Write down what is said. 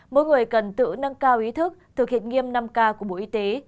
mỗi người cần tự nâng cao ý thức thực hiện nghiêm năm k của bộ y tế